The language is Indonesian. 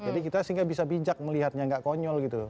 jadi kita sehingga bisa bijak melihatnya gak konyol gitu